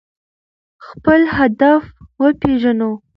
خپل اهداف وپیژنو.